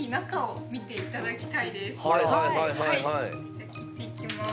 じゃあ切っていきます。